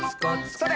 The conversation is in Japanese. それ！